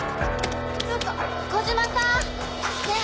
ちょっと小嶋さんねぇ？